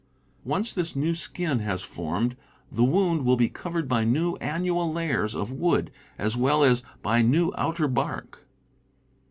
Once this new skin has formed, the wound will be covered by new annual layers of wood, as well as by new outer bark.